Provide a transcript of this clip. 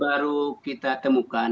yang baru kita temukan